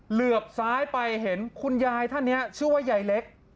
เหลือบซ้ายไปเห็นคุณยายท่านนี้ชื่อว่ายายเล็ก